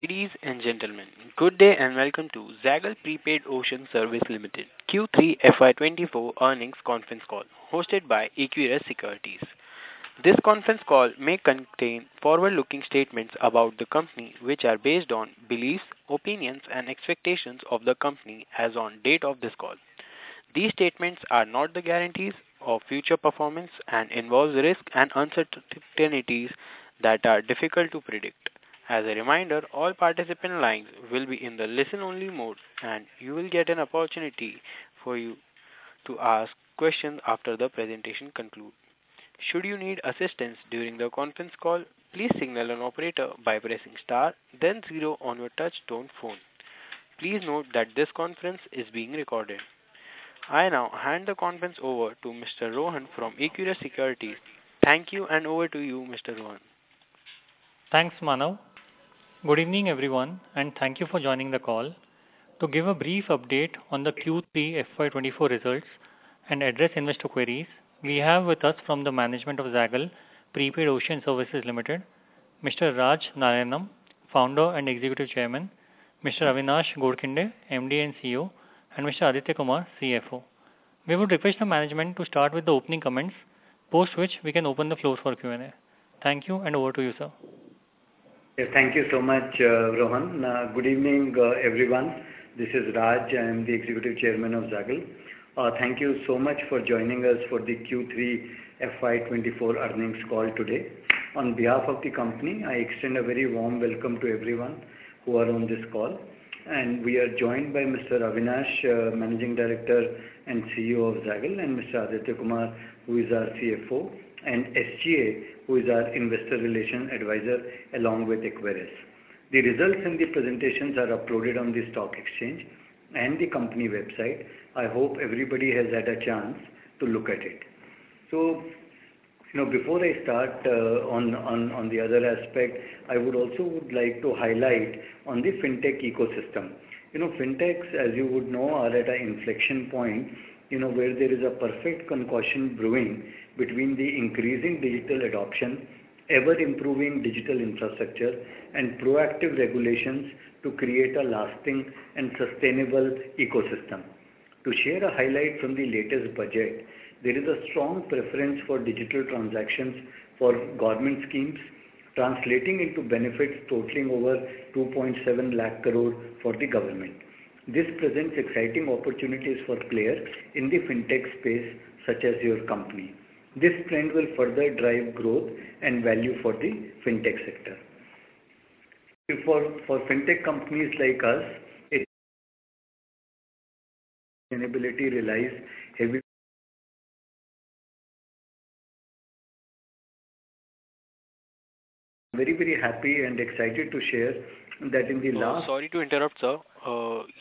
Ladies and gentlemen, good day, and welcome to Zaggle Prepaid Ocean Services Limited Q3 FY 2024 earnings conference call, hosted by Equirus Securities. This conference call may contain forward-looking statements about the company, which are based on beliefs, opinions, and expectations of the company as on date of this call. These statements are not the guarantees of future performance and involves risks and uncertainties that are difficult to predict. As a reminder, all participant lines will be in the listen-only mode, and you will get an opportunity for you to ask questions after the presentation conclude. Should you need assistance during the conference call, please signal an operator by pressing star, then zero on your touchtone phone. Please note that this conference is being recorded. I now hand the conference over to Mr. Rohan from Equirus Securities. Thank you, and over to you, Mr. Rohan. Thanks, Manav. Good evening, everyone, and thank you for joining the call. To give a brief update on the Q3 FY 2024 results and address investor queries, we have with us from the management of Zaggle Prepaid Ocean Services Limited, Mr. Raj Narayanam, Founder and Executive Chairman, Mr. Avinash Godkhindi, MD and CEO, and Mr. Aditya Kumar, CFO. We would request the management to start with the opening comments, post which we can open the floor for Q&A. Thank you, and over to you, sir. Yeah, thank you so much, Rohan. Good evening, everyone. This is Raj. I am the Executive Chairman of Zaggle. Thank you so much for joining us for the Q3 FY 2024 earnings call today. On behalf of the company, I extend a very warm welcome to everyone who are on this call, and we are joined by Mr. Avinash, Managing Director and CEO of Zaggle, and Mr. Aditya Kumar, who is our CFO, and SGA, who is our Investor Relations Advisor, along with Equirus Securities. The results and the presentations are uploaded on the stock exchange and the company website. I hope everybody has had a chance to look at it. So, you know, before I start, on the other aspect, I would also would like to highlight on the Fintech ecosystem. You know, Fintechs, as you would know, are at an inflection point, you know, where there is a perfect concoction brewing between the increasing digital adoption, ever-improving digital infrastructure, and proactive regulations to create a lasting and sustainable ecosystem. To share a highlight from the latest budget, there is a strong preference for digital transactions for government schemes, translating into benefits totaling over 270,000 crore for the government. This presents exciting opportunities for players in the Fintech space, such as your company. This trend will further drive growth and value for the Fintech sector. For Fintech companies like us, it... sustainability relies heavy... Very, very happy and excited to share that in the last- Sorry to interrupt, sir.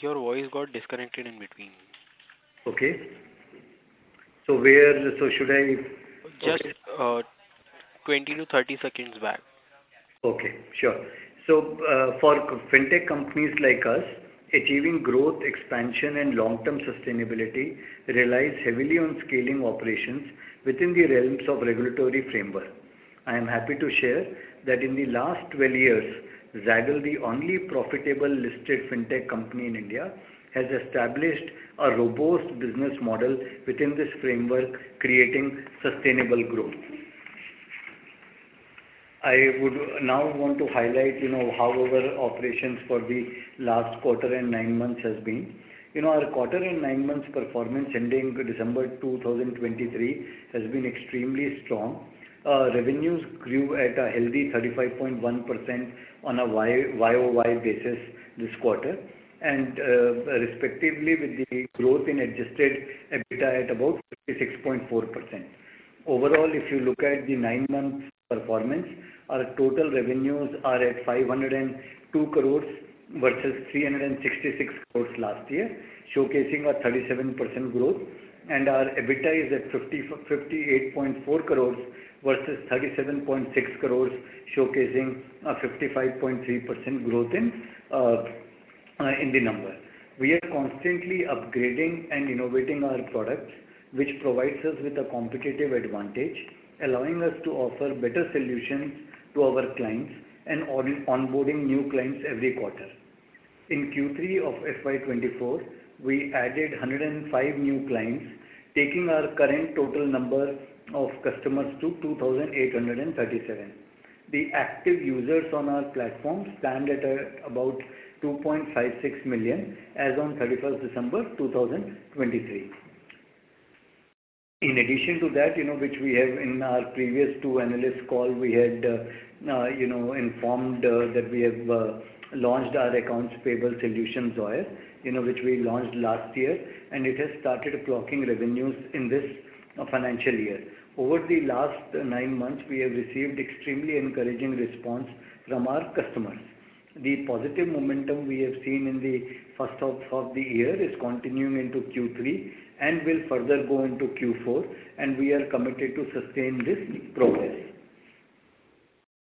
Your voice got disconnected in between. Okay. So where, so should I- Just, 20-30 seconds back. Okay, sure. So, for Fintech companies like us, achieving growth, expansion, and long-term sustainability relies heavily on scaling operations within the realms of regulatory framework. I am happy to share that in the last 12 years, Zaggle, the only profitable listed Fintech company in India, has established a robust business model within this framework, creating sustainable growth. I would now want to highlight, you know, how our operations for the last quarter and 9 months has been. You know, our quarter and 9 months performance ending December 2023 has been extremely strong. Revenues grew at a healthy 35.1% on a Y-O-Y basis this quarter, and respectively, with the growth in adjusted EBITDA at about 56.4%. Overall, if you look at the nine-month performance, our total revenues are at 502 crores, versus 366 crores last year, showcasing a 37% growth, and our EBITDA is at 58.4 crores versus 37.6 crores, showcasing a 55.3% growth in the number. We are constantly upgrading and innovating our products, which provides us with a competitive advantage, allowing us to offer better solutions to our clients and onboarding new clients every quarter. In Q3 of FY 2024, we added 105 new clients, taking our current total number of customers to 2,837. The active users on our platform stand at about 2.56 million as on December 31, 2023. In addition to that, you know, which we have in our previous two analyst call, we had, you know, informed, that we have, launched our accounts payable solution, Zoyer, you know, which we launched last year, and it has started clocking revenues in this, financial year. Over the last nine months, we have received extremely encouraging response from our customers. The positive momentum we have seen in the first half of the year is continuing into Q3 and will further go into Q4, and we are committed to sustain this progress...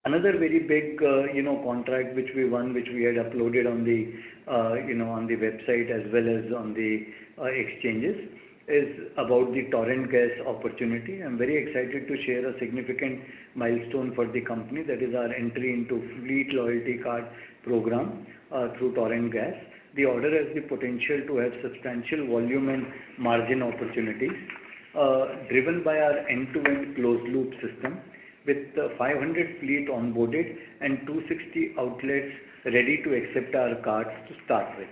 Another very big, you know, contract which we won, which we had uploaded on the, you know, on the website as well as on the, exchanges, is about the Torrent Gas opportunity. I'm very excited to share a significant milestone for the company, that is our entry into fleet loyalty card program through Torrent Gas. The order has the potential to have substantial volume and margin opportunities, driven by our end-to-end closed loop system, with 500 fleet onboarded and 260 outlets ready to accept our cards to start with.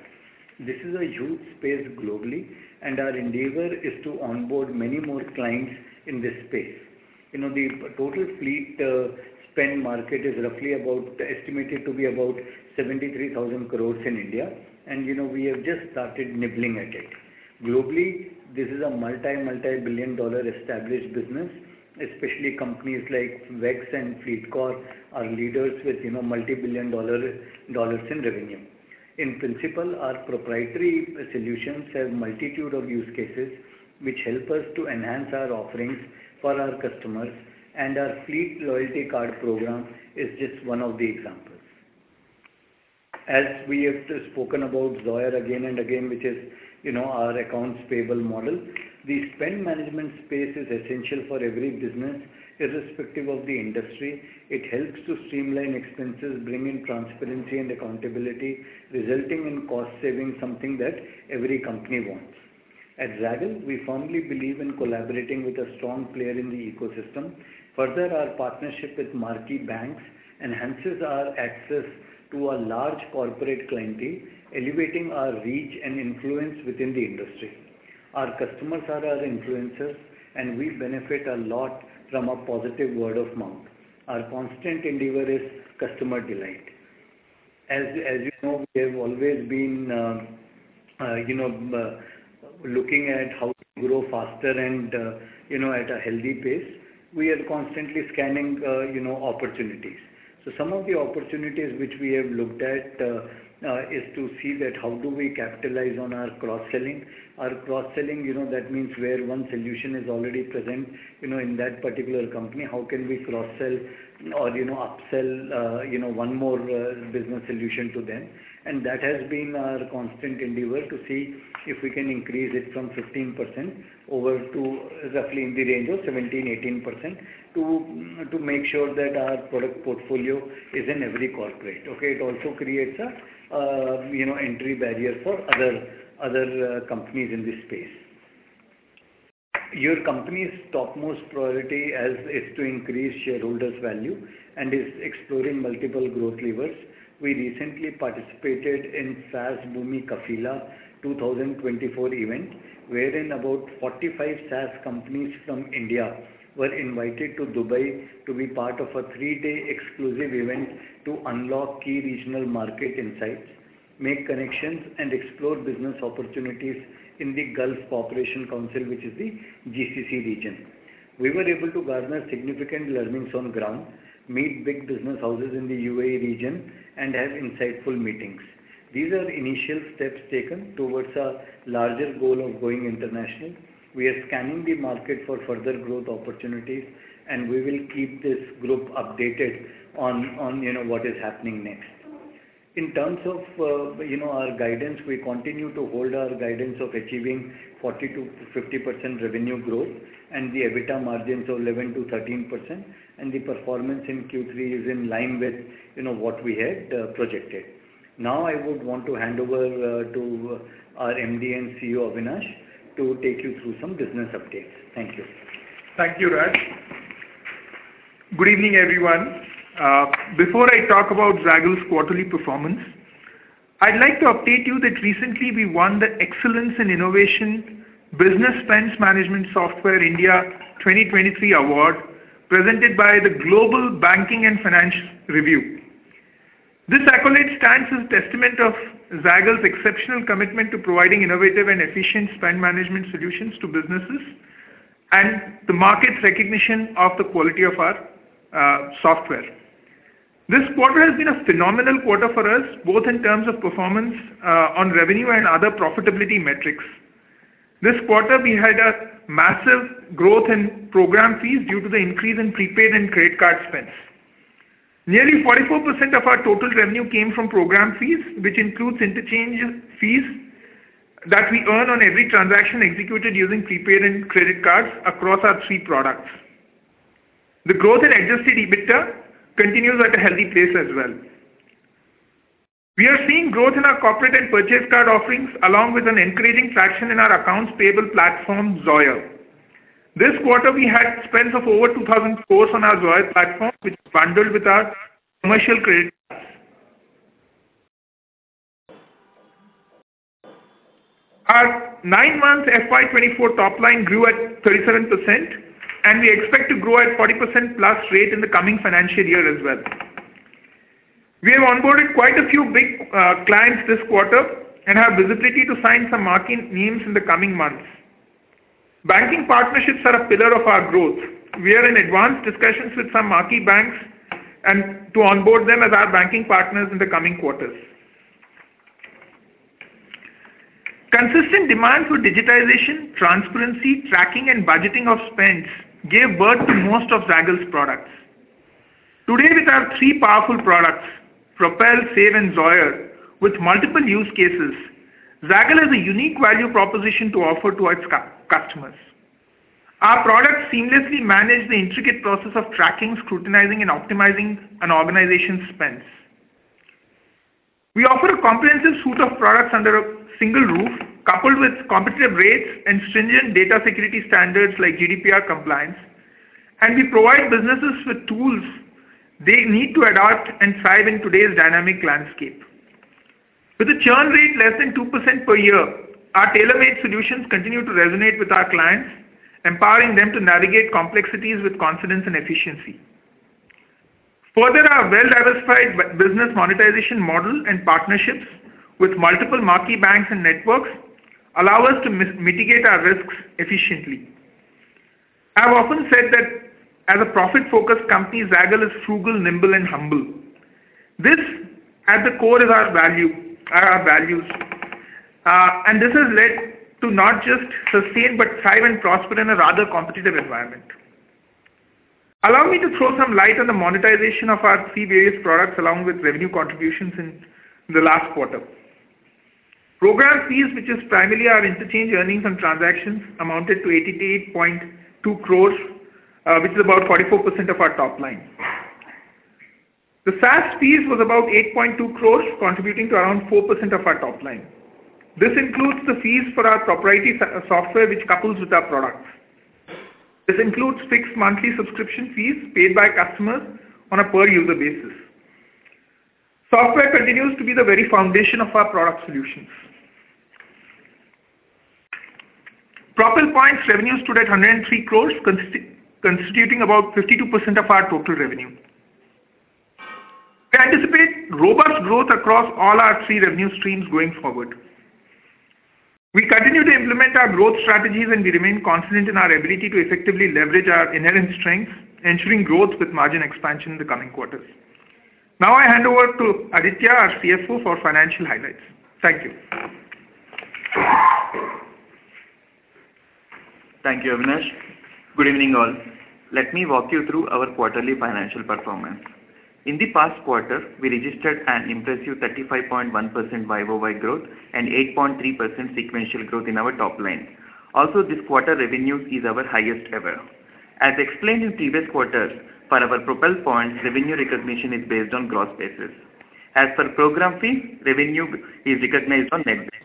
This is a huge space globally, and our endeavor is to onboard many more clients in this space. You know, the total fleet spend market is roughly about, estimated to be about 73,000 crore in India, and, you know, we have just started nibbling at it. Globally, this is a multi-billion-dollar established business, especially companies like WEX and FleetCor are leaders with, you know, multi-billion dollars in revenue. In principle, our proprietary solutions have multitude of use cases, which help us to enhance our offerings for our customers, and our fleet loyalty card program is just one of the examples. As we have spoken about Zoyer again and again, which is, you know, our accounts payable model. The spend management space is essential for every business, irrespective of the industry. It helps to streamline expenses, bring in transparency and accountability, resulting in cost savings, something that every company wants. At Zaggle, we firmly believe in collaborating with a strong player in the ecosystem. Further, our partnership with marquee banks enhances our access to a large corporate clientele, elevating our reach and influence within the industry. Our customers are our influencers, and we benefit a lot from a positive word of mouth. Our constant endeavor is customer delight. As you know, we have always been, you know, looking at how to grow faster and, you know, at a healthy pace. We are constantly scanning, you know, opportunities. So some of the opportunities which we have looked at, is to see that how do we capitalize on our cross-selling. Our cross-selling, you know, that means where one solution is already present, you know, in that particular company, how can we cross-sell or, you know, upsell, you know, one more, business solution to them? And that has been our constant endeavor, to see if we can increase it from 15% over to roughly in the range of 17%-18%, to make sure that our product portfolio is in every corporate. Okay? It also creates a, you know, entry barrier for other, other, companies in this space. Your company's topmost priority as- is to increase shareholders' value and is exploring multiple growth levers. We recently participated in SaaSBoomi Kafila 2024 event, wherein about 45 SaaS companies from India were invited to Dubai to be part of a three-day exclusive event to unlock key regional market insights, make connections, and explore business opportunities in the Gulf Cooperation Council, which is the GCC region. We were able to garner significant learnings on ground, meet big business houses in the UAE region, and have insightful meetings. These are initial steps taken towards our larger goal of going international. We are scanning the market for further growth opportunities, and we will keep this group updated on, on, you know, what is happening next. In terms of, you know, our guidance, we continue to hold our guidance of achieving 40%-50% revenue growth and the EBITDA margins of 11%-13%, and the performance in Q3 is in line with, you know, what we had, projected. Now, I would want to hand over, to our MD and CEO, Avinash, to take you through some business updates. Thank you. Thank you, Raj. Good evening, everyone. Before I talk about Zaggle's quarterly performance, I'd like to update you that recently we won the Excellence in Innovation Business Spend Management Software India 2023 award, presented by the Global Banking and Finance Review. This accolade stands as testament of Zaggle's exceptional commitment to providing innovative and efficient spend management solutions to businesses, and the market's recognition of the quality of our software. This quarter has been a phenomenal quarter for us, both in terms of performance on revenue and other profitability metrics. This quarter, we had a massive growth in program fees due to the increase in prepaid and credit card spends. Nearly 44% of our total revenue came from program fees, which includes interchange fees that we earn on every transaction executed using prepaid and credit cards across our three products. The growth in adjusted EBITDA continues at a healthy pace as well. We are seeing growth in our corporate and purchase card offerings, along with an encouraging traction in our accounts payable platform, Zoyer. This quarter, we had spends of over 2,000 crore on our Zoyer platform, which is bundled with our commercial credit. Our nine-month FY 2024 top line grew at 37%, and we expect to grow at 40%+ rate in the coming financial year as well. We have onboarded quite a few big clients this quarter and have visibility to sign some marquee names in the coming months. Banking partnerships are a pillar of our growth. We are in advanced discussions with some marquee banks and to onboard them as our banking partners in the coming quarters. Consistent demand for digitization, transparency, tracking, and budgeting of spends gave birth to most of Zaggle's products. Today, with our three powerful products, Propel, Save, and Zoyer, with multiple use cases, Zaggle has a unique value proposition to offer to its customers. Our products seamlessly manage the intricate process of tracking, scrutinizing, and optimizing an organization's spends. We offer a comprehensive suite of products under a single roof, coupled with competitive rates and stringent data security standards like GDPR compliance, and we provide businesses with tools they need to adapt and thrive in today's dynamic landscape. With a churn rate less than 2% per year, our tailor-made solutions continue to resonate with our clients, empowering them to navigate complexities with confidence and efficiency. Further, our well-diversified business monetization model and partnerships with multiple marquee banks and networks allow us to mitigate our risks efficiently. I've often said that as a profit-focused company, Zaggle is frugal, nimble, and humble. This, at the core, is our value, our values, and this has led to not just sustain, but thrive and prosper in a rather competitive environment. Allow me to throw some light on the monetization of our three various products, along with revenue contributions in the last quarter. Program fees, which is primarily our interchange earnings and transactions, amounted to 88.2 crores, which is about 44% of our top line. The SaaS fees was about 8.2 crores, contributing to around 4% of our top line. This includes the fees for our proprietary software, which couples with our products. This includes fixed monthly subscription fees paid by customers on a per user basis. Software continues to be the very foundation of our product solutions. Propel Points revenue stood at 103 crore, constituting about 52% of our total revenue. We anticipate robust growth across all our three revenue streams going forward. We continue to implement our growth strategies, and we remain confident in our ability to effectively leverage our inherent strengths, ensuring growth with margin expansion in the coming quarters. Now, I hand over to Aditya, our CFO, for financial highlights. Thank you. Thank you, Avinash. Good evening, all. Let me walk you through our quarterly financial performance. In the past quarter, we registered an impressive 35.1% year-over-year growth and 8.3% sequential growth in our top line. Also, this quarter revenue is our highest ever. As explained in previous quarters, for our Propel Points, revenue recognition is based on gross basis. As per program fee, revenue is recognized on net basis.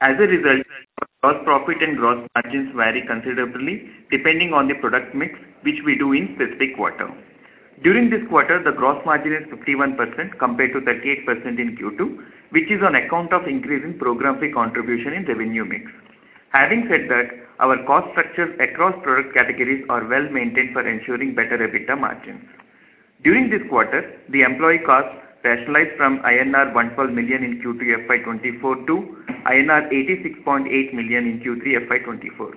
As a result, our gross profit and gross margins vary considerably depending on the product mix, which we do in specific quarter. During this quarter, the gross margin is 51%, compared to 38% in Q2, which is on account of increase in program fee contribution in revenue mix. Having said that, our cost structures across product categories are well-maintained for ensuring better EBITDA margins. During this quarter, the employee costs rationalized from INR 112 million in Q2 FY 2024 to INR 86.8 million in Q3 FY 2024.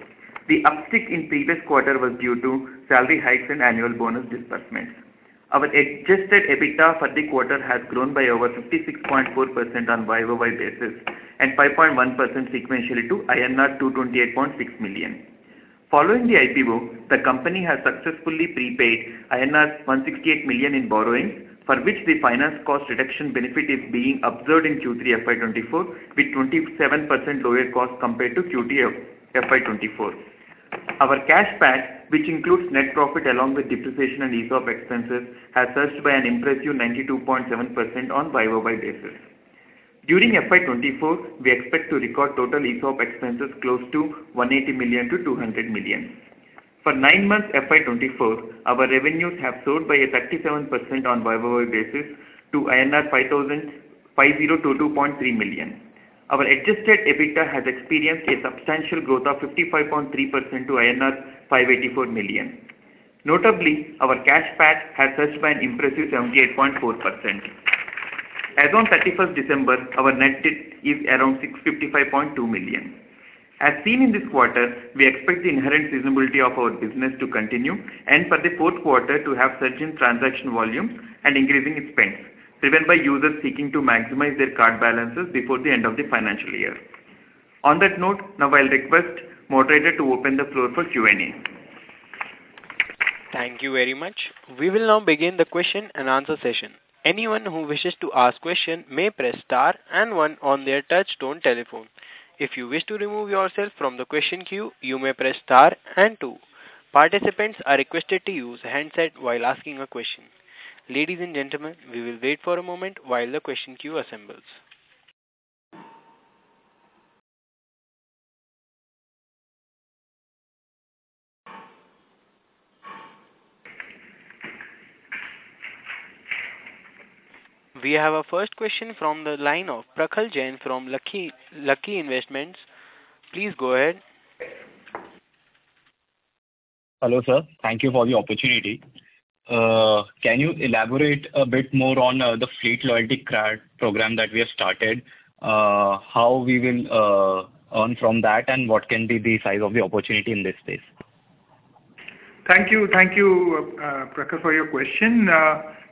The uptick in previous quarter was due to salary hikes and annual bonus disbursements. Our adjusted EBITDA for the quarter has grown by over 56.4% on Y-o-Y basis, and 5.1% sequentially to INR 228.6 million. Following the IPO, the company has successfully prepaid INR 168 million in borrowings, for which the finance cost reduction benefit is being observed in Q3 FY 2024, with 27% lower cost compared to Q3 FY 2024. Our Cash PAT, which includes net profit along with depreciation and ESOP expenses, has surged by an impressive 92.7% on Y-o-Y basis. During FY 2024, we expect to record total ESOP expenses close to 180 million-200 million. For nine months FY 2024, our revenues have soared by 37% on year-over-year basis to INR 5,502.3 million. Our adjusted EBITDA has experienced a substantial growth of 55.3% to INR 584 million. Notably, our cash PAT has surged by an impressive 78.4%. As on thirty-first December, our net debt is around 655.2 million. As seen in this quarter, we expect the inherent seasonality of our business to continue, and for the fourth quarter to have surge in transaction volumes and increasing spends, driven by users seeking to maximize their card balances before the end of the financial year. On that note, now I'll request moderator to open the floor for Q&A. Thank you very much. We will now begin the question and answer session. Anyone who wishes to ask a question may press star and one on their touchtone telephone. If you wish to remove yourself from the question queue, you may press star and two. Participants are requested to use a handset while asking a question. Ladies and gentlemen, we will wait for a moment while the question queue assembles. We have our first question from the line of Prakhar Jain from Lucky Investments. Please go ahead. Hello, sir, thank you for the opportunity. Can you elaborate a bit more on the Fleet Loyalty Card Program that we have started? How we will earn from that, and what can be the size of the opportunity in this space? Thank you, thank you, Prakhar, for your question.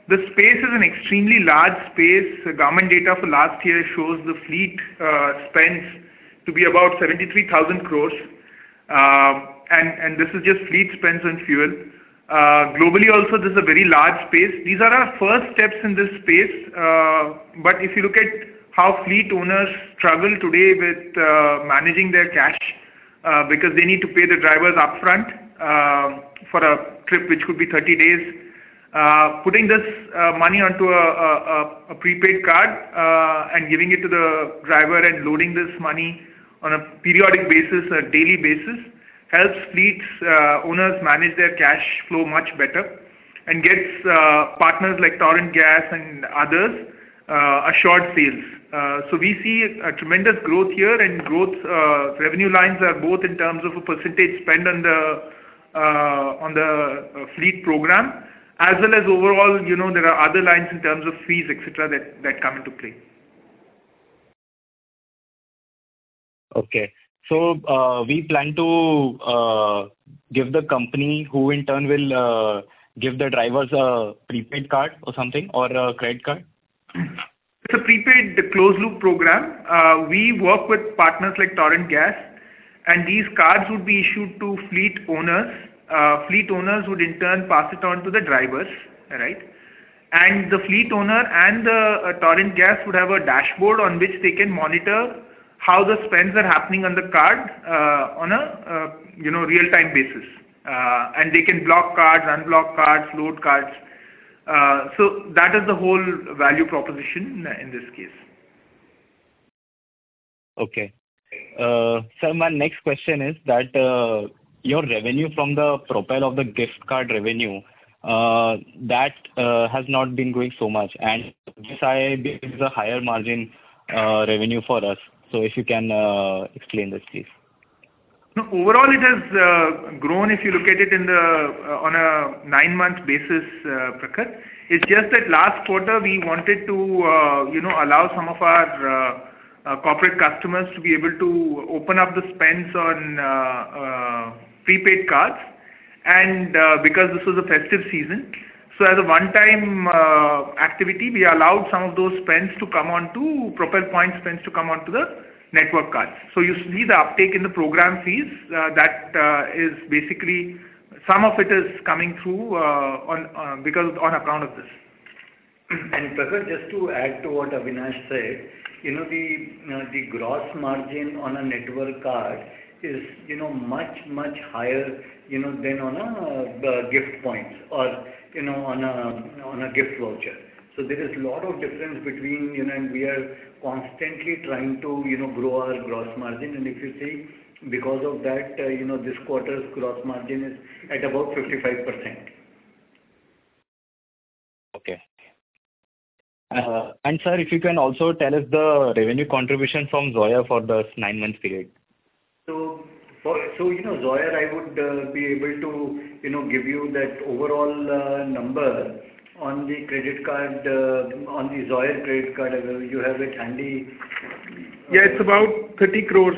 The space is an extremely large space. The government data for last year shows the fleet spends to be about 73,000 crore. And this is just fleet spends on fuel. Globally, also, this is a very large space. These are our first steps in this space. But if you look at how fleet owners struggle today with managing their cash, because they need to pay the drivers upfront, for a trip, which could be 30 days. Putting this money onto a prepaid card and giving it to the driver and loading this money on a periodic basis, a daily basis, helps fleet owners manage their cash flow much better and gets partners like Torrent Gas and others assured sales. So we see tremendous growth here, and growth revenue lines are both in terms of a percentage spend on the fleet program, as well as overall, you know, there are other lines in terms of fees, et cetera, that come into play. Okay. So, we plan to give the company, who in turn will give the drivers a prepaid card or something, or a credit card? It's a prepaid closed loop program. We work with partners like Torrent Gas, and these cards would be issued to fleet owners. Fleet owners would in turn pass it on to the drivers, right? And the fleet owner and the Torrent Gas would have a dashboard on which they can monitor how the spends are happening on the card, on a you know real-time basis. And they can block cards, unblock cards, load cards. So that is the whole value proposition in this case. Okay. Sir, my next question is that your revenue from the Propel of the gift card revenue that has not been growing so much, and this I believe is a higher margin revenue for us. So if you can explain this, please. No, overall, it has grown, if you look at it in the on a nine-month basis, Prakhar. It's just that last quarter we wanted to, you know, allow some of our corporate customers to be able to open up the spends on prepaid cards, and because this was a festive season. So as a one-time activity, we allowed some of those spends to come on to Propel Points spends to come onto the network cards. So you see the uptake in the program fees, that is basically some of it is coming through on because on account of this. Prakhar, just to add to what Avinash said, you know, the gross margin on a network card is, you know, much, much higher, you know, than on a gift points or, you know, on a gift voucher. So there is a lot of difference between, you know. And we are constantly trying to, you know, grow our gross margin. And if you see, because of that, you know, this quarter's gross margin is at about 55%. Okay. And sir, if you can also tell us the revenue contribution from Zoyer for this nine-month period. So you know, Zoyer, I would be able to, you know, give you that overall number on the credit card on the Zoyer credit card, you have it handy? Yeah, it's about 30 crore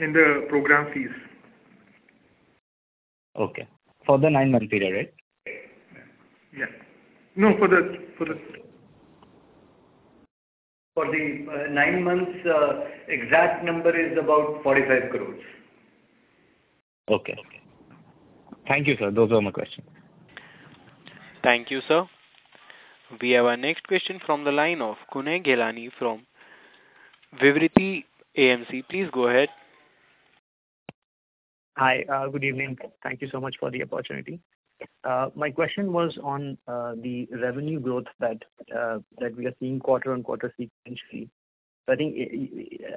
in the Program Fees. Okay. For the nine-month period, right? Yeah. No, for the— For the nine months, exact number is about 45 crore. Okay. Thank you, sir. Those are my questions. Thank you, sir. We have our next question from the line of Kunal Jethani from Vivriti AMC. Please go ahead. Hi. Good evening. Thank you so much for the opportunity. My question was on the revenue growth that we are seeing quarter on quarter sequentially. I think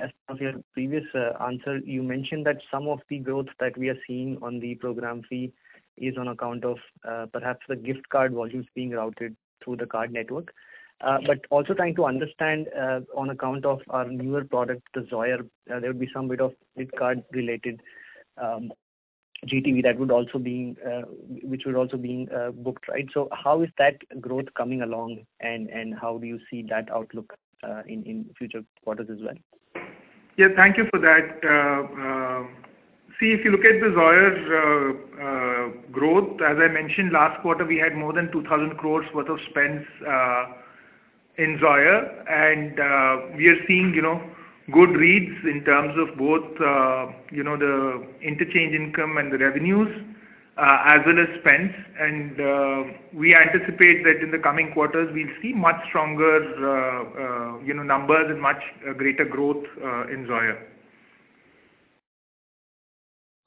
as of your previous answer, you mentioned that some of the growth that we are seeing on the program fee is on account of perhaps the gift card volumes being routed through the card network. But also trying to understand on account of our newer product, the Zoyer, there would be some bit of gift card related GTV that would also being which would also being booked, right? So how is that growth coming along, and how do you see that outlook in future quarters as well? Yeah, thank you for that. See, if you look at the Zoyer, growth, as I mentioned, last quarter, we had more than 2,000 crore worth of spends, in Zoyer, and, we are seeing, you know, good reads in terms of both, you know, the interchange income and the revenues, as well as spends. We anticipate that in the coming quarters we'll see much stronger, you know, numbers and much, greater growth, in Zoyer.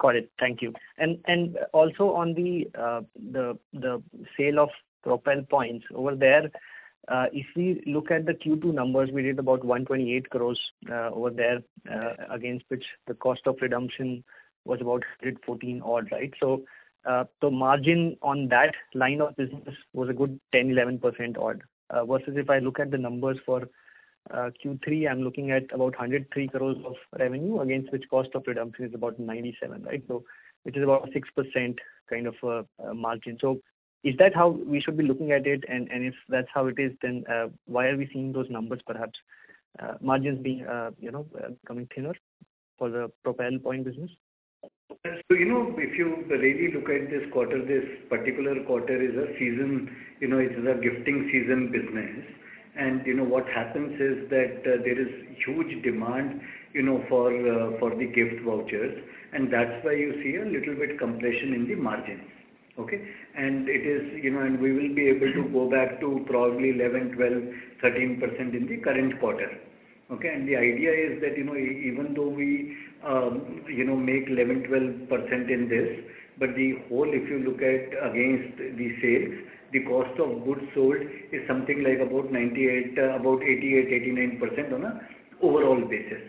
Got it. Thank you. And also on the sale of Propel Points, over there, if we look at the Q2 numbers, we did about 128 crore, over there, against which the cost of redemption was about 114 odd, right? So, the margin on that line of business was a good 10-11% odd. Versus if I look at the numbers for Q3, I'm looking at about 103 crore of revenue, against which cost of redemption is about 97, right? So which is about 6% kind of margin. So is that how we should be looking at it? And if that's how it is, then why are we seeing those numbers, perhaps, margins being, you know, coming thinner for the Propel Points business?... So, you know, if you really look at this quarter, this particular quarter is a season, you know, it is a gifting season business. And you know, what happens is that, there is huge demand, you know, for the gift vouchers, and that's why you see a little bit compression in the margins. Okay? And it is, you know, and we will be able to go back to probably 11%, 12%, 13% in the current quarter. Okay, and the idea is that, you know, even though we, you know, make 11, 12% in this, but the whole, if you look at against the sales, the cost of goods sold is something like about 98%, about 88%, 89% on an overall basis.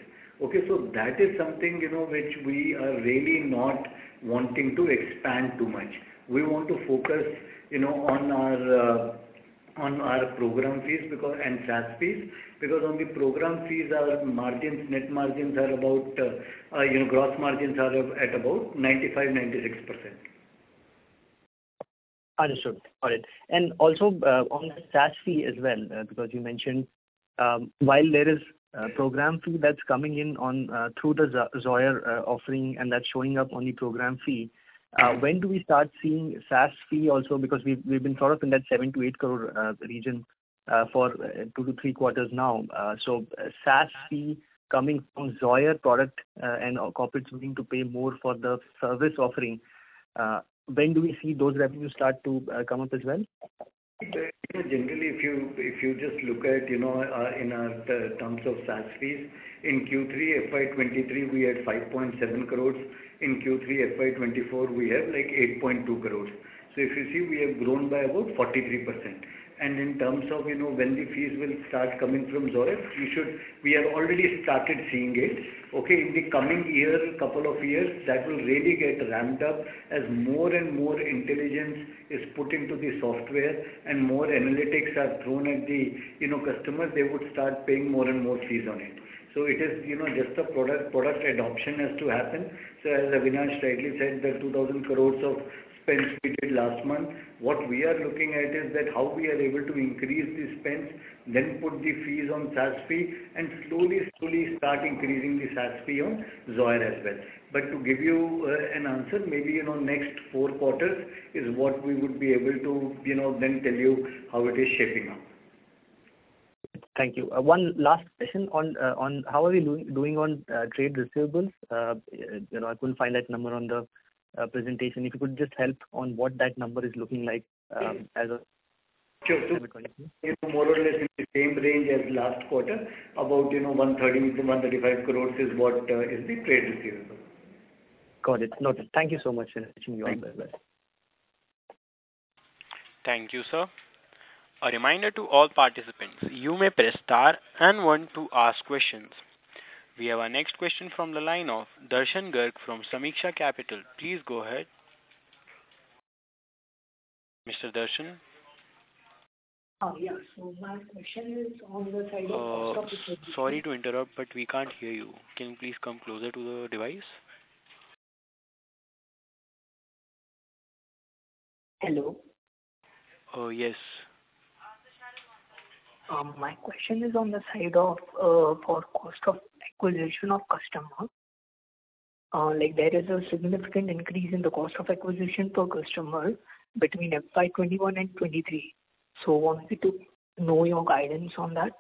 Okay, so that is something, you know, which we are really not wanting to expand too much. We want to focus, you know, on our, on our program fees, because and SaaS fees, because on the program fees, our margins, net margins are about, you know, gross margins are at about 95%-96%. Understood. Got it. Also, on the SaaS fee as well, because you mentioned, while there is a program fee that's coming in on, through the Zoyer, offering, and that's showing up on the program fee. When do we start seeing SaaS fee also? Because we've been sort of in that 7 crore-8 crore region, for 2-3 quarters now. SaaS fee coming from Zoyer product, and corporates willing to pay more for the service offering, when do we see those revenues start to, come up as well? You know, generally, if you just look at, you know, in the terms of SaaS fees, in Q3 FY 2023, we had 5.7 crores. In Q3 FY 2024, we have, like, 8.2 crores. So if you see, we have grown by about 43%. And in terms of, you know, when the fees will start coming from Zoyer, we should. We have already started seeing it. Okay, in the coming year, couple of years, that will really get ramped up as more and more intelligence is put into the software and more analytics are thrown at the, you know, customers, they would start paying more and more fees on it. So it is, you know, just the product, product adoption has to happen. So as Avinash rightly said, that 2,000 crore of spends we did last month, what we are looking at is that how we are able to increase the spends, then put the fees on SaaS fee, and slowly, slowly start increasing the SaaS fee on Zoyer as well. But to give you an answer, maybe, you know, next four quarters is what we would be able to, you know, then tell you how it is shaping up. Thank you. One last question on how are we doing on Trade Receivables? You know, I couldn't find that number on the presentation. If you could just help on what that number is looking like, as a- Sure. More or less in the same range as last quarter, about, you know, 130 crore-135 crore is what is the trade receivable. Got it. Noted. Thank you so much for answering me. Bye-bye. Thank you, sir. A reminder to all participants, you may press Star and One to ask questions. We have our next question from the line of Darshan Gangar from Sameeksha Capital. Please go ahead. Mr. Darshan? Yeah. So my question is on the side of- Sorry to interrupt, but we can't hear you. Can you please come closer to the device? Hello. Yes. My question is on the side of for cost of acquisition of customer. Like, there is a significant increase in the cost of acquisition per customer between FY 2021 and FY 2023. So wanted to know your guidance on that.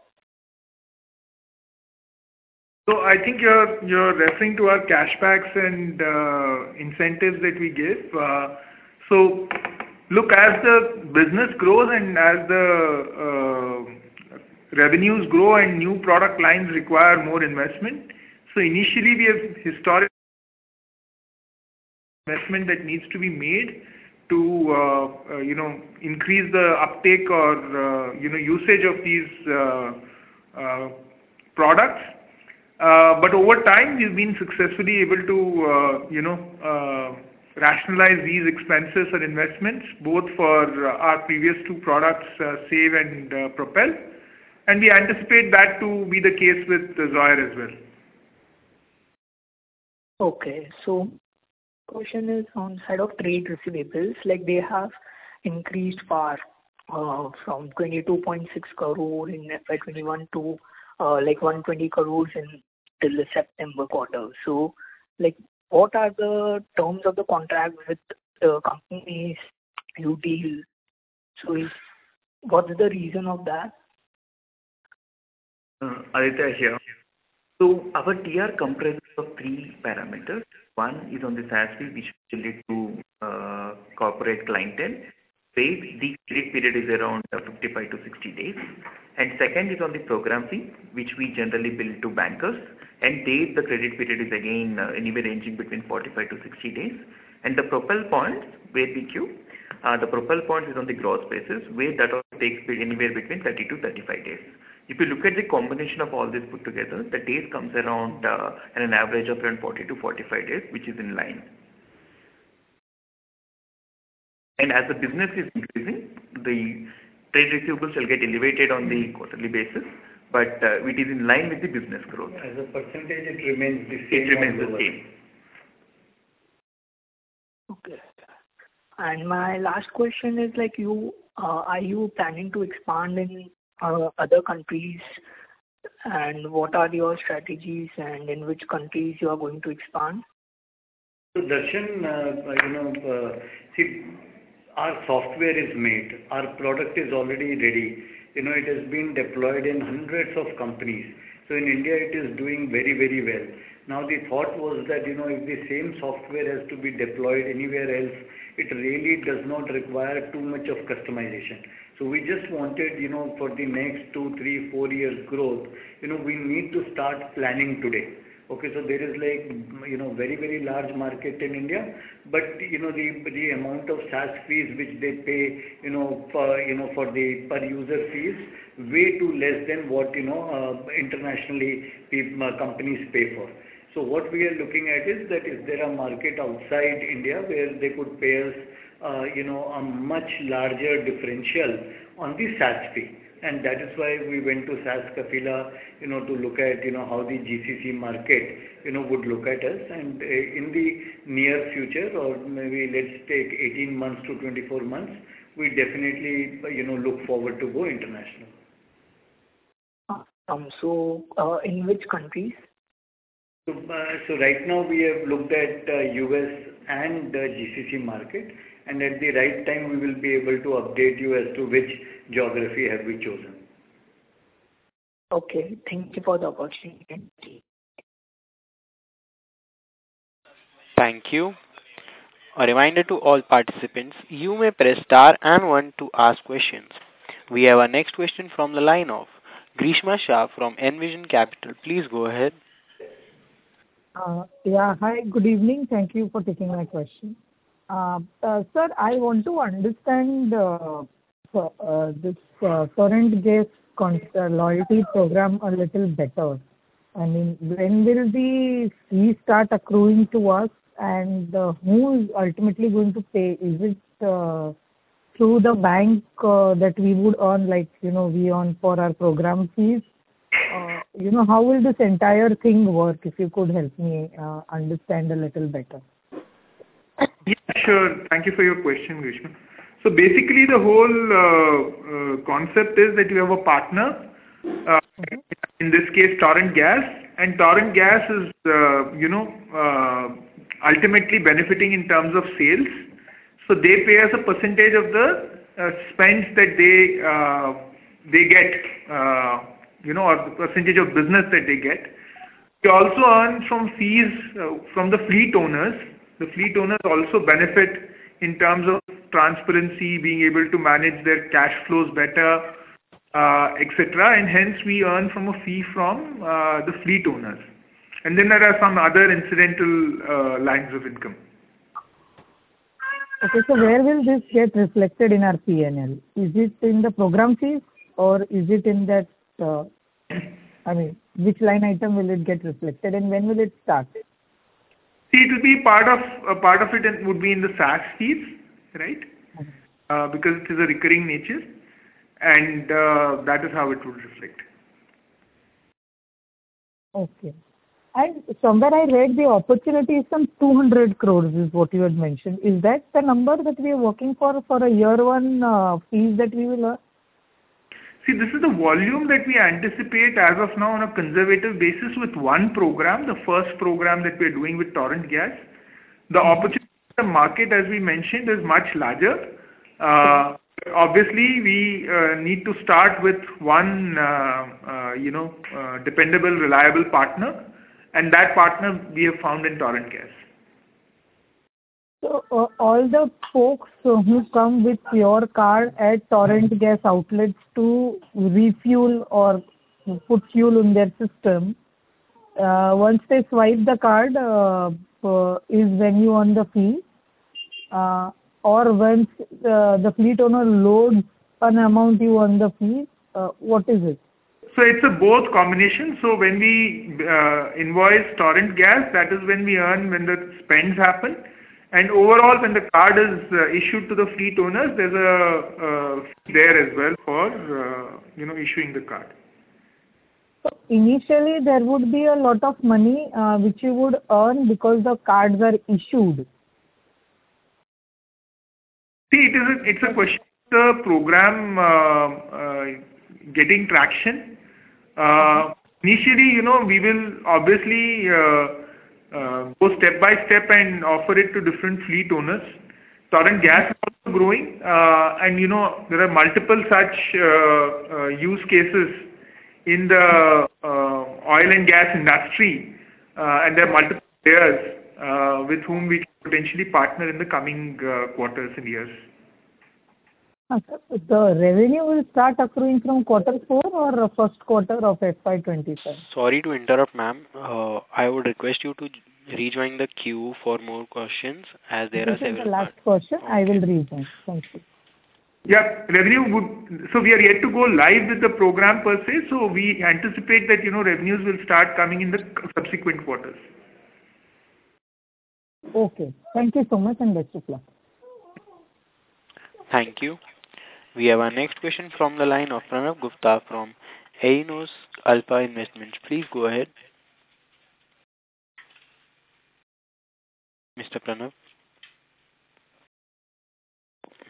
So I think you're referring to our cash backs and incentives that we give. So look, as the business grows and as the revenues grow and new product lines require more investment, so initially we have historic investment that needs to be made to you know increase the uptake or you know usage of these products. But over time, we've been successfully able to you know rationalize these expenses and investments, both for our previous two products, Save and Propel. And we anticipate that to be the case with Zoyer as well. Okay. So my question is on side of trade receivables, like they have increased far, from 22.6 crore in FY 2021 to, like, 120 crore in till the September quarter. So, like, what are the terms of the contract with the companies you deal? So what is the reason of that? Aditya here. So our TR comprises of three parameters. One is on the SaaS fee, which is related to corporate clientele, where the credit period is around 55-60 days. And second is on the program fee, which we generally bill to bankers, and there the credit period is again anywhere ranging between 45-60 days. And the Propel Points, where we queue the Propel Points is on the gross basis, where that takes anywhere between 30-35 days. If you look at the combination of all this put together, the days comes around at an average of around 40-45 days, which is in line. As the business is increasing, the trade receivables will get elevated on the quarterly basis, but it is in line with the business growth. As a percentage, it remains the same. It remains the same.... Okay. And my last question is, like, are you planning to expand in other countries? And what are your strategies, and in which countries you are going to expand? So, Darshan, you know, see, our software is made, our product is already ready. You know, it has been deployed in hundreds of companies. So in India, it is doing very, very well. Now, the thought was that, you know, if the same software has to be deployed anywhere else, it really does not require too much of customization. So we just wanted, you know, for the next two, three, four years growth, you know, we need to start planning today. Okay, so there is like, you know, very, very large market in India, but you know, the amount of SaaS fees which they pay, you know, for the per user fees, way too less than what, you know, internationally companies pay for. So what we are looking at is that, is there a market outside India where they could pay us, you know, a much larger differential on the SaaS fee. And that is why we went to SaaSBoomi Kafila, you know, to look at, you know, how the GCC market, you know, would look at us. And, in the near future, or maybe let's take 18-24 months, we definitely, you know, look forward to go international. In which countries? So right now we have looked at the U.S. and the GCC market, and at the right time, we will be able to update you as to which geography have we chosen. Okay, thank you for the opportunity. Thank you. A reminder to all participants, you may press star and one to ask questions. We have our next question from the line of Grishma Shah from Envision Capital. Please go ahead. Yeah. Hi, good evening. Thank you for taking my question. Sir, I want to understand this Torrent Gas loyalty program a little better. I mean, when will the fees start accruing to us, and who is ultimately going to pay? Is it through the bank that we would earn like, you know, we earn for our program fees? You know, how will this entire thing work, if you could help me understand a little better? Yeah, sure. Thank you for your question, Grishma. So basically, the whole concept is that you have a partner, in this case, Torrent Gas, and Torrent Gas is, you know, ultimately benefiting in terms of sales. So they pay us a percentage of the spend that they get, you know, or the percentage of business that they get. We also earn from fees from the fleet owners. The fleet owners also benefit in terms of transparency, being able to manage their cash flows better, et cetera. And hence, we earn from a fee from the fleet owners. And then there are some other incidental lines of income. Okay, so where will this get reflected in our PNL? Is it in the program fees or is it in that, I mean, which line item will it get reflected, and when will it start? See, a part of it would be in the SaaS fees, right? Okay. Because it is a recurring nature, and that is how it would reflect. Okay. Somewhere I read the opportunity is some 200 crore, is what you had mentioned. Is that the number that we are working for, for a year one, fees that we will earn? See, this is the volume that we anticipate as of now on a conservative basis with one program, the first program that we're doing with Torrent Gas. The opportunity in the market, as we mentioned, is much larger. Obviously, we need to start with one, you know, dependable, reliable partner, and that partner we have found in Torrent Gas. So all the folks who come with your card at Torrent Gas outlets to refuel or put fuel in their system, once they swipe the card, is when you earn the fee, or once the fleet owner loads an amount, you earn the fee? What is it? It's a both combination. When we invoice Torrent Gas, that is when we earn, when the spends happen. And overall, when the card is issued to the fleet owners, there's a fee there as well for you know, issuing the card. Initially, there would be a lot of money, which you would earn because the cards are issued. See, it is a, it's a question of the program, getting traction. Initially, you know, we will obviously, go step by step and offer it to different fleet owners. Torrent Gas is also growing, and you know, there are multiple such, use cases in the, oil and gas industry, and there are multiple players, with whom we potentially partner in the coming, quarters and years. Okay. The revenue will start accruing from quarter four or first quarter of FY 2022? Sorry to interrupt, ma'am. I would request you to rejoin the queue for more questions as there are several- This is the last question. I will rejoin. Thank you. Yeah, revenue would... So we are yet to go live with the program per se, so we anticipate that, you know, revenues will start coming in the subsequent quarters. Okay, thank you so much, and best of luck. ...Thank you. We have our next question from the line of Pranav Gupta from Aionios Alpha. Please go ahead. Mr. Pranav?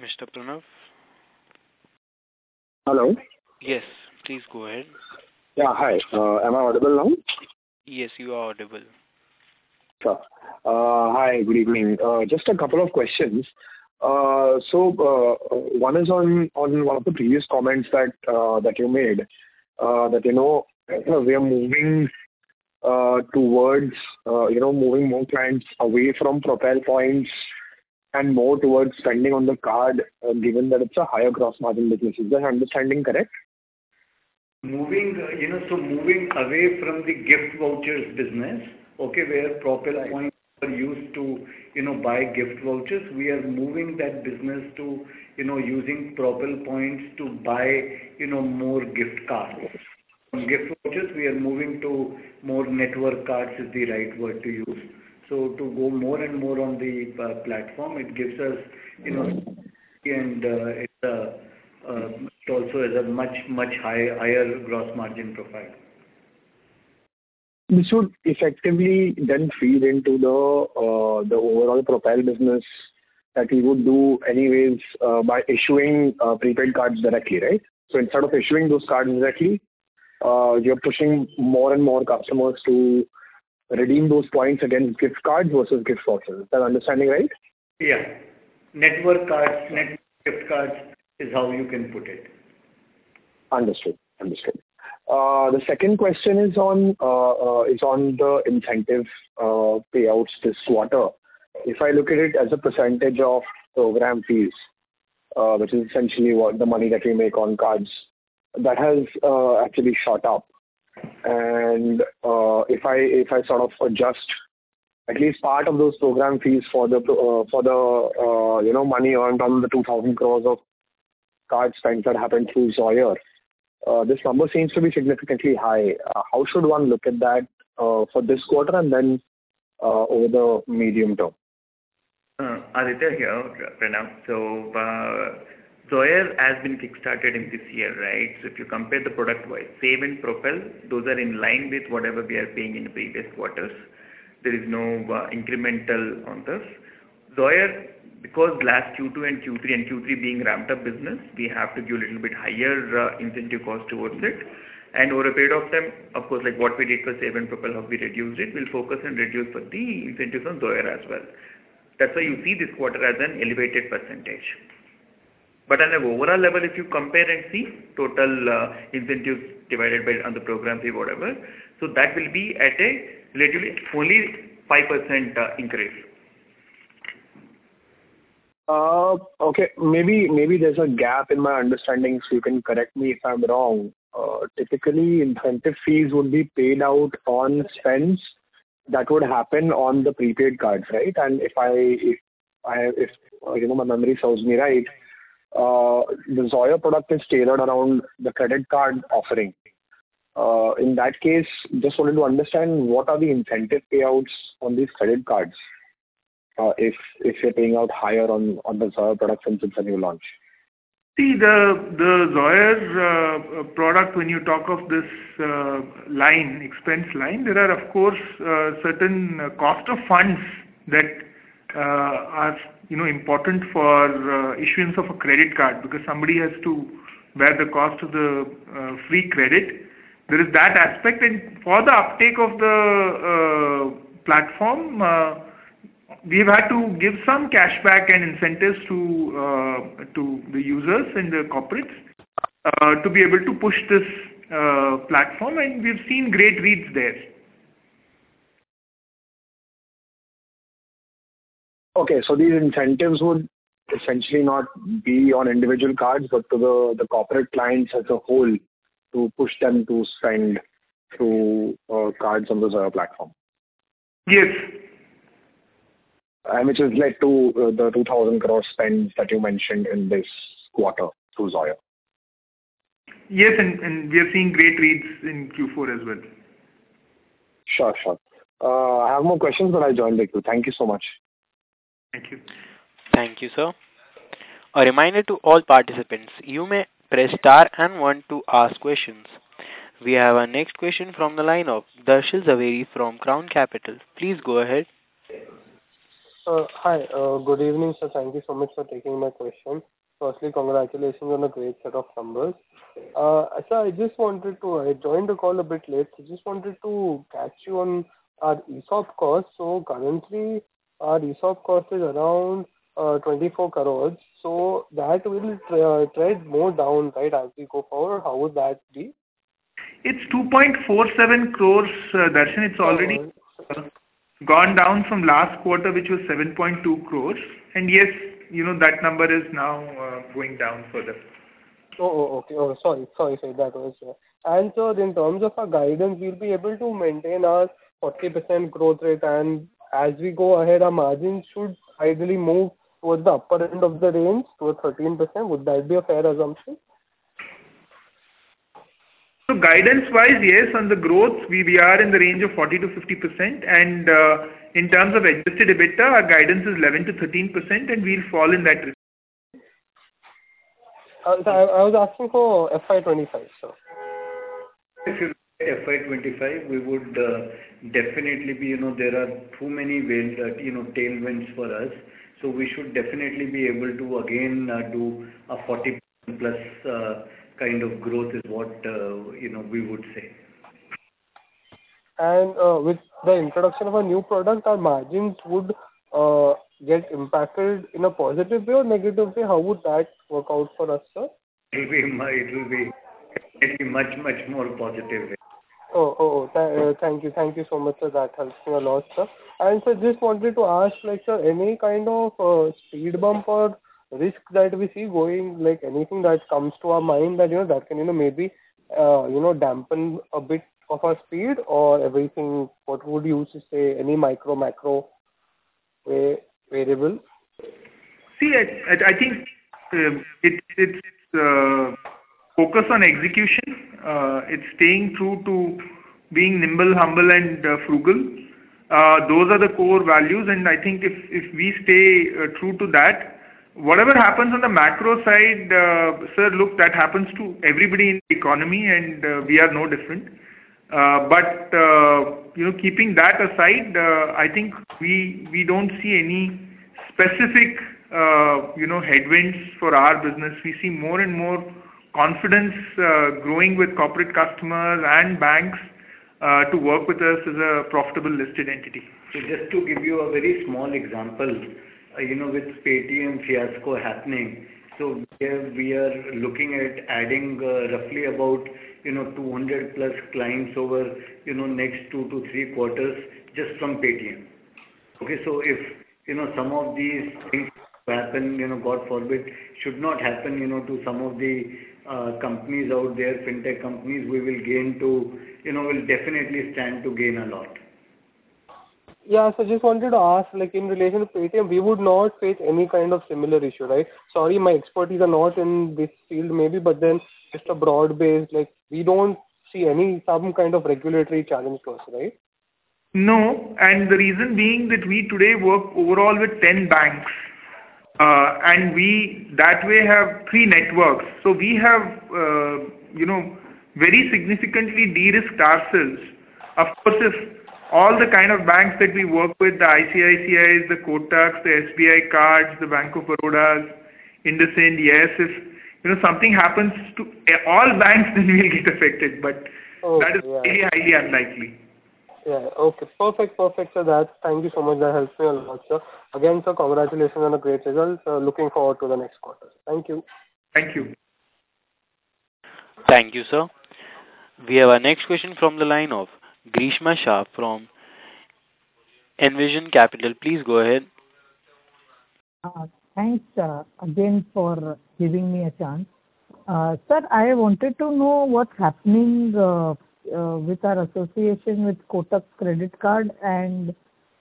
Mr. Pranav? Hello. Yes, please go ahead. Yeah, hi. Am I audible now? Yes, you are audible. Hi, good evening. Just a couple of questions. So, one is on one of the previous comments that you made, that you know, we are moving towards you know, moving more clients away from Propel Points and more towards spending on the card, given that it's a higher gross margin business. Is that understanding correct? Moving, you know, so moving away from the gift vouchers business, okay, where Propel Points- Right. are used to, you know, buy gift vouchers, we are moving that business to, you know, using Propel Points to buy, you know, more gift cards. From gift vouchers, we are moving to more network cards, is the right word to use. So to go more and more on the platform, it gives us, you know, and, it's, it also has a much, much higher gross margin profile. This would effectively then feed into the overall Propel business that you would do anyways, by issuing prepaid cards directly, right? So instead of issuing those cards directly, you're pushing more and more customers to redeem those points against gift cards versus gift vouchers. Is that understanding right? Yeah. Network cards, net gift cards, is how you can put it. Understood. Understood. The second question is on the incentive payouts this quarter. If I look at it as a percentage of program fees, which is essentially what the money that we make on cards, that has actually shot up. And if I sort of adjust at least part of those program fees for the you know, money earned on the 2,000 crore of card spends that happened through Zoyer, this number seems to be significantly high. How should one look at that for this quarter and then over the medium term? Aditya here, Pranav. So, Zoyer has been kickstarted in this year, right? So if you compare the product-wide, Save and Propel, those are in line with whatever we are paying in previous quarters. There is no incremental on this. Zoyer, because last Q2 and Q3, and Q3 being ramped up business, we have to give a little bit higher, incentive cost towards it. And over a period of time, of course, like what we did for Save and Propel, how we reduced it, we'll focus and reduce for the incentives on Zoyer as well. That's why you see this quarter as an elevated percentage. But on an overall level, if you compare and see total, incentives divided by on the program fee, whatever, so that will be at a relatively only 5%, increase. Okay. Maybe, maybe there's a gap in my understanding, so you can correct me if I'm wrong. Typically, incentive fees would be paid out on spends that would happen on the prepaid cards, right? And if I, you know, my memory serves me right, the Zoyer product is tailored around the credit card offering. In that case, just wanted to understand, what are the incentive payouts on these credit cards, if you're paying out higher on the Zoyer product since the new launch? See, the Zoyer product, when you talk of this line, expense line, there are, of course, certain cost of funds that are, you know, important for issuance of a credit card, because somebody has to bear the cost of the free credit. There is that aspect, and for the uptake of the platform, we've had to give some cashback and incentives to the users and the corporates, to be able to push this platform, and we've seen great reads there. Okay. So these incentives would essentially not be on individual cards, but to the corporate clients as a whole, to push them to spend through cards on the Zoyer platform? Yes. which has led to the 2,000 crore spend that you mentioned in this quarter, through Zoyer. Yes, and, and we are seeing great reads in Q4 as well. Sure, sure. I have more questions, but I'll join back to you. Thank you so much. Thank you. Thank you, sir. A reminder to all participants, you may press star and one to ask questions. We have our next question from the line of Darshan Zaveri from Crown Capital. Please go ahead. Hi. Good evening, sir. Thank you so much for taking my question. Firstly, congratulations on a great set of numbers. So I just wanted to... I joined the call a bit late. I just wanted to catch you on our ESOP costs. So currently, our ESOP cost is around 24 crore, so that will trend more down, right, as we go forward? How would that be? It's 2.47 crore, Darshan. Oh. It's already gone down from last quarter, which was 7.2 crores. Yes, you know, that number is now going down further. Oh, okay. Sorry, sir. That was it. And sir, in terms of our guidance, we'll be able to maintain our 40% growth rate, and as we go ahead, our margins should ideally move towards the upper end of the range, towards 13%. Would that be a fair assumption? ...So guidance wise, yes, on the growth, we, we are in the range of 40%-50%, and in terms of adjusted EBITDA, our guidance is 11%-13%, and we'll fall in that range. I was asking for FY 2025, sir. If you FY 2025, we would definitely be, you know, there are too many tailwinds for us. So we should definitely be able to again do a 40+ kind of growth is what, you know, we would say. With the introduction of a new product, our margins would get impacted in a positive way or negative way? How would that work out for us, sir? It will be much, much more positive way. Oh, thank you. Thank you so much, sir. That helps me a lot, sir. And sir, just wanted to ask, like, sir, any kind of speed bump or risk that we see going, like, anything that comes to our mind that, you know, that can, you know, maybe dampen a bit of our speed or everything, what would you say, any micro, macro variable? See, I think it's focus on execution. It's staying true to being nimble, humble and frugal. Those are the core values, and I think if we stay true to that, whatever happens on the macro side, sir, look, that happens to everybody in the economy, and we are no different. But you know, keeping that aside, I think we don't see any specific you know, headwinds for our business. We see more and more confidence growing with corporate customers and banks to work with us as a profitable listed entity. So just to give you a very small example, you know, with Paytm fiasco happening, so we are, we are looking at adding, roughly about, you know, 200+ clients over, you know, next 2-3 quarters just from Paytm. Okay, so if, you know, some of these things happen, you know, God forbid, should not happen, you know, to some of the, companies out there, Fintech companies, we will gain to, you know, we'll definitely stand to gain a lot. Yeah. So just wanted to ask, like in relation to Paytm, we would not face any kind of similar issue, right? Sorry, my expertise are not in this field, maybe, but then just a broad base, like we don't see any some kind of regulatory challenge to us, right? No, and the reason being that we today work overall with 10 banks, and we that way have three networks. So we have, you know, very significantly de-risked ourselves. Of course, if all the kind of banks that we work with, the ICICI, the Kotak, the SBI Cards, the Bank of Baroda, IndusInd, yes, if, you know, something happens to all banks, we will get affected, but- Oh, yeah. That is really highly unlikely. Yeah. Okay, perfect. Perfect, sir. That... Thank you so much. That helps me a lot, sir. Again, sir, congratulations on a great result. Looking forward to the next quarter. Thank you. Thank you. Thank you, sir. We have our next question from the line of Grishma Shah from Envision Capital. Please go ahead. Thanks, again, for giving me a chance. Sir, I wanted to know what's happening with our association with Kotak Credit Card and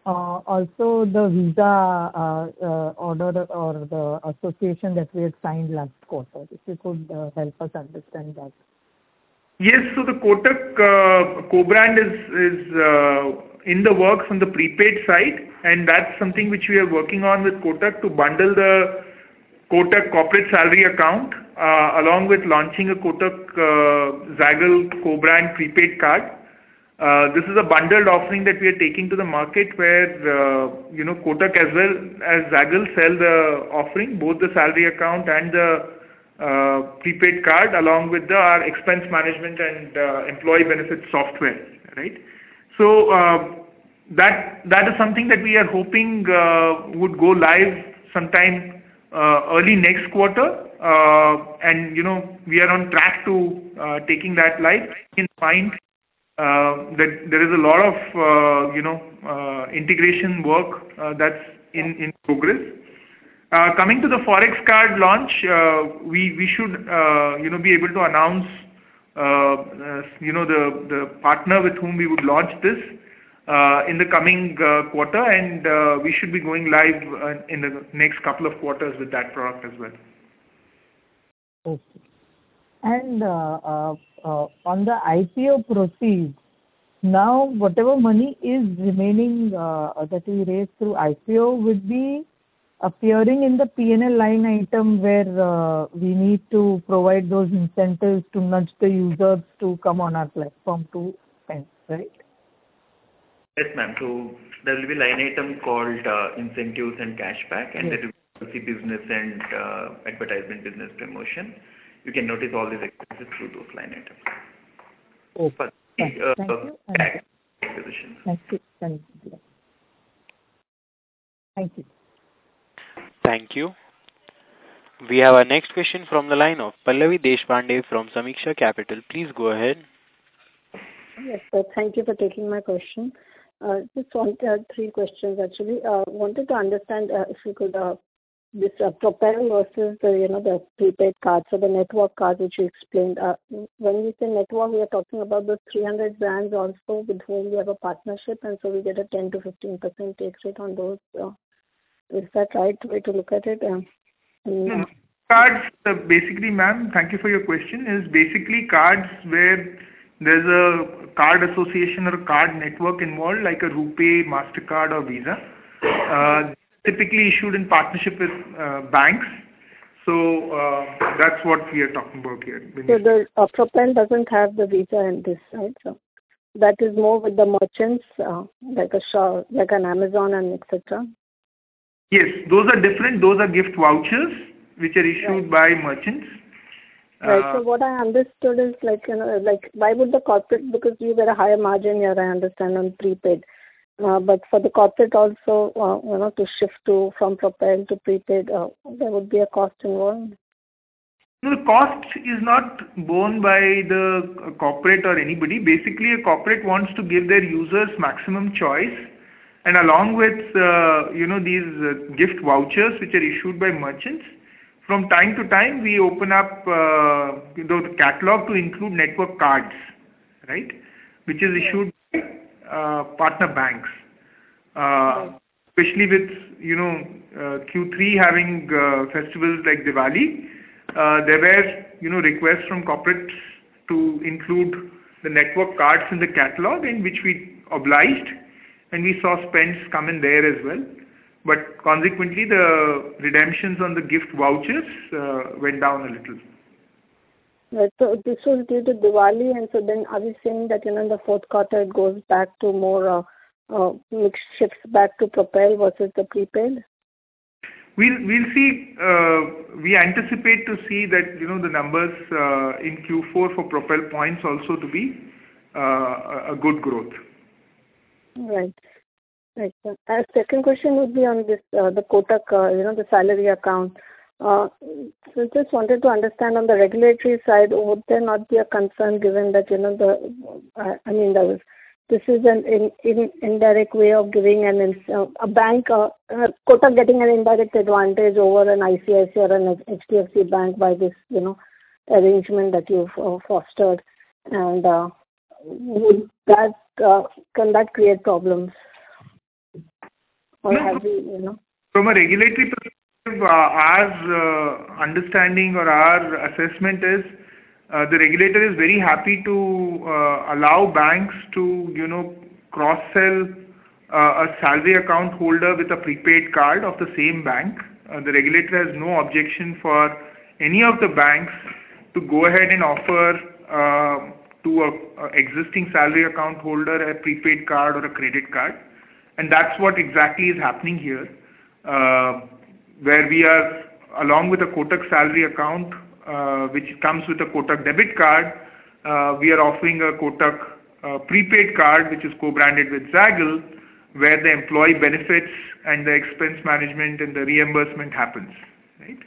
also the Visa order or the association that we had signed last quarter. If you could help us understand that. Yes, so the Kotak co-brand is in the works on the prepaid side, and that's something which we are working on with Kotak to bundle the Kotak corporate salary account along with launching a Kotak Zaggle co-brand prepaid card. This is a bundled offering that we are taking to the market, where you know, Kotak as well as Zaggle sell the offering, both the salary account and the prepaid card, along with our expense management and employee benefit software, right? So, that is something that we are hoping would go live sometime early next quarter. And you know, we are on track to taking that live. You can find that there is a lot of you know integration work that's in progress. Coming to the Forex card launch, we should, you know, be able to announce, you know, the partner with whom we would launch this in the coming quarter, and we should be going live in the next couple of quarters with that product as well. Okay. And, on the IPO proceeds, now, whatever money is remaining, that we raised through IPO would be appearing in the P&L line item, where we need to provide those incentives to nudge the users to come on our platform to spend, right? Yes, ma'am. So there will be a line item called, incentives and cashback- Yes. There will be business and advertisement, business promotion. You can notice all these expenses through those line items. Okay. But, uh- Thank you. Thank you. Thank you. Thank you. We have our next question from the line of Pallavi Deshpande from Sameeksha Capital. Please go ahead. Yes, sir. Thank you for taking my question. Just wanted to ask three questions, actually. Wanted to understand, if you could, this Propel versus, you know, the prepaid cards or the network cards, which you explained. When you say network, we are talking about those 300 brands also, with whom we have a partnership, and so we get a 10%-15% take rate on those?... Is that right way to look at it? Cards, basically, ma'am, thank you for your question. It's basically cards where there's a card association or card network involved, like a RuPay, Mastercard, or Visa. Typically issued in partnership with banks. So, that's what we are talking about here. So the Propel doesn't have the Visa in this, right? So that is more with the merchants, like a shop, like an Amazon and et cetera. Yes, those are different. Those are gift vouchers which are issued- Right. -by merchants. Right. So what I understood is like, you know, like, why would the corporate... Because you've got a higher margin here, I understand, on prepaid. But for the corporate also, you know, to shift to, from Propel to prepaid, there would be a cost involved? No, cost is not borne by the corporate or anybody. Basically, a corporate wants to give their users maximum choice, and along with, you know, these gift vouchers, which are issued by merchants, from time to time, we open up, you know, the catalog to include network cards, right? Yes. Which is issued, partner banks. Okay. -especially with, you know, Q3 having festivals like Diwali, there were, you know, requests from corporates to include the network cards in the catalog, in which we obliged, and we saw spends come in there as well. But consequently, the redemptions on the gift vouchers went down a little. Right. So this was due to Diwali, and so then are we saying that, you know, in the fourth quarter, it goes back to more, which shifts back to Propel versus the prepaid? We'll see. We anticipate to see that, you know, the numbers in Q4 for Propel Points also to be a good growth. Right. Right. Second question would be on this, the Kotak, you know, the salary account. So just wanted to understand on the regulatory side, would there not be a concern given that, you know, the, I mean, there was—this is an in, in, indirect way of giving an in, a bank, Kotak getting an indirect advantage over an ICICI or an HDFC Bank by this, you know, arrangement that you've fostered, and, would that, can that create problems? Or have you, you know— From a regulatory perspective, our understanding or our assessment is, the regulator is very happy to allow banks to, you know, cross-sell a salary account holder with a prepaid card of the same bank. The regulator has no objection for any of the banks to go ahead and offer to an existing salary account holder, a prepaid card or a credit card. And that's what exactly is happening here, where we are, along with the Kotak salary account, which comes with a Kotak debit card, we are offering a Kotak prepaid card, which is co-branded with Zaggle, where the employee benefits and the expense management and the reimbursement happens, right?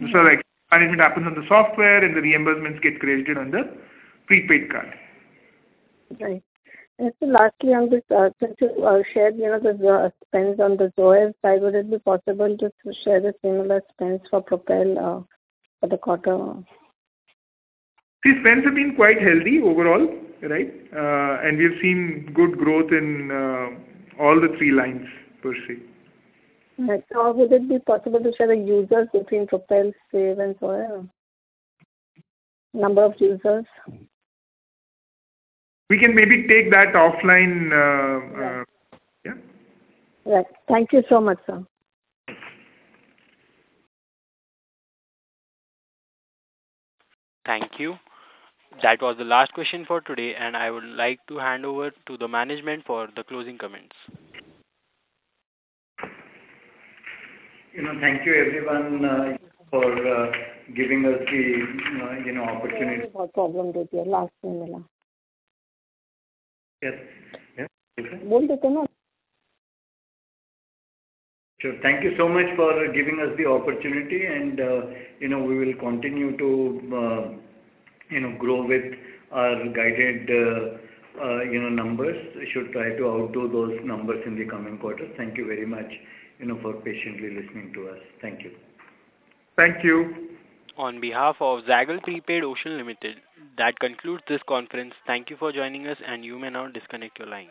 Right. Like, management happens on the software, and the reimbursements get credited on the prepaid card. Right. And so lastly, on this, since you shared, you know, the spends on the Zoyer side, would it be possible just to share the similar spends for Propel, for the quarter? The spends have been quite healthy overall, right? And we've seen good growth in all the three lines, per se. Right. Would it be possible to share the users between Propel, Save, and Zoyer? Number of users. We can maybe take that offline. Yes. Yeah. Right. Thank you so much, sir. Thank you. That was the last question for today, and I would like to hand over to the management for the closing comments. You know, thank you everyone for giving us the, you know, opportunity- Very problem with your last name. Yes. Yeah.... Sure. Thank you so much for giving us the opportunity and, you know, we will continue to, you know, grow with our guided, you know, numbers. We should try to outdo those numbers in the coming quarters. Thank you very much, you know, for patiently listening to us. Thank you. Thank you. On behalf of Zaggle Prepaid Ocean Services Limited, that concludes this conference. Thank you for joining us, and you may now disconnect your lines.